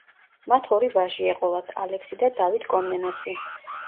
მათ ორი ვაჟი ეყოლათ: ალექსი და დავით კომნენოსი.